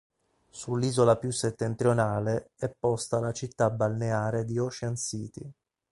Sull'isola più settentrionale è posta la città balneare di Ocean City.